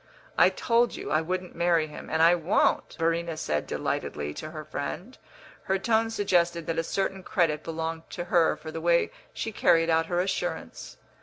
"I told you I wouldn't marry him, and I won't," Verena said, delightedly, to her friend; her tone suggested that a certain credit belonged to her for the way she carried out her assurance.